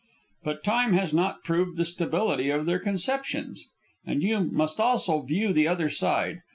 "But time has not proved the stability of their conceptions. And you must also view the other side.